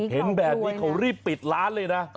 เห็นแบบนี้เขารีบปิดร้านเลยนะ